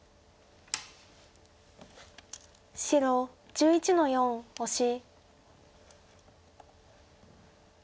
白１１の四オシ。